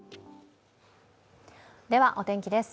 ではお天気です。